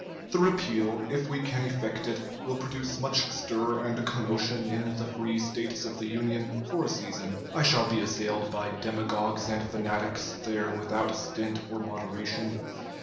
The repeal, if we can effect it, will produce much stir and commotion in the free States of the Union for a season. I shall be assailed by demagogues and fanatics there without stint or moderation.